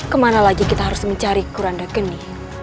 kemana lagi kita harus mencari kuranda keni